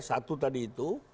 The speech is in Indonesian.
satu tadi itu